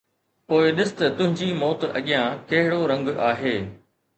پوءِ ڏس ته تنهنجي موت اڳيان ڪهڙو رنگ آهي